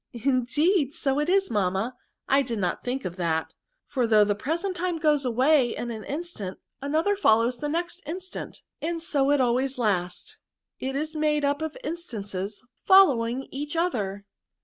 " Indeed ! so it is, mamma. I did not think of that ; for though the present time goes away in an instant, another follows the next instant, and so it always lasts; it is made up of instants following each other."